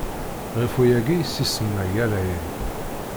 Ɣef wayagi i s-isemma Galɛid.